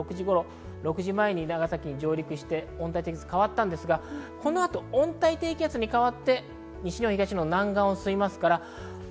６時前に長崎県に上陸して温帯低気圧に変わったんですが、この後、温帯低気圧に変わって西日本、東日本南岸を進みます。